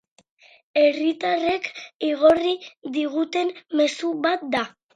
Herritarrek igorri diguten mezu bat da.